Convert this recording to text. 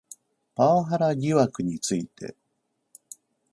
パワハラ疑惑について